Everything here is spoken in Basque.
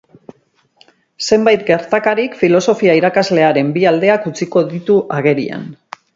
Zenbait gertakarik filosofia irakaslearen bi aldeak utziko ditu agerian.